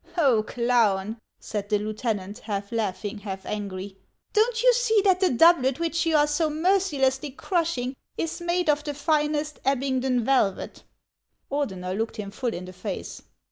" Oh, clown !" said the lieutenant, half laughing, half angry ;" don't you see that the doublet which you are so mercilessly crushing is made of the finest Abingdon velvet ?" Ordener looked him full in the face.